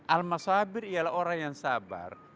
al masabir ialah orang yang sabar